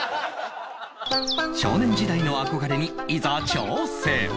少年時代の憧れにいざ挑戦！